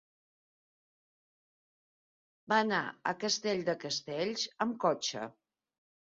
Va anar a Castell de Castells amb cotxe.